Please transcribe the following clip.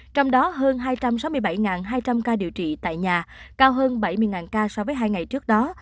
trong đó hơn hai trăm sáu mươi bảy hai trăm linh ca điều trị tại nhà cao hơn bảy mươi ca so với hai ngày trước đó